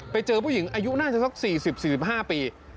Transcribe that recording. ไปเจอผู้หญิงอายุน่าจะสัก๔๐๔๕ปี